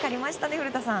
古田さん。